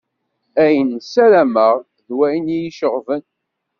Ayen ssaramaɣ, d wayen i yi-iceɣben.